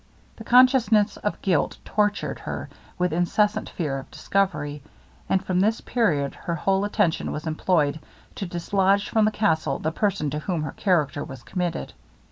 The consciousness of guilt tortured her with incessant fear of discovery, and from this period her whole attention was employed to dislodge from the castle the person to whom her character was committed.